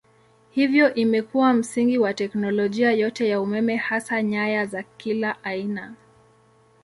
Hivyo imekuwa msingi wa teknolojia yote ya umeme hasa nyaya za kila aina.